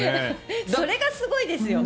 それがすごいですよね。